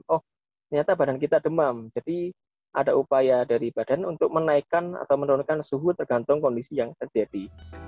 oh ternyata badan kita demam jadi ada upaya dari badan untuk menaikkan atau menurunkan suhu tergantung kondisi yang terjadi